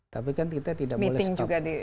tapi kan kita tidak boleh stop meeting juga